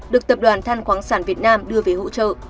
được tập đoàn than khoáng sản việt nam đưa về hỗ trợ